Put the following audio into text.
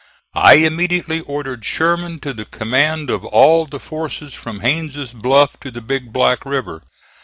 I immediately ordered Sherman to the command of all the forces from Haines' Bluff to the Big Black River.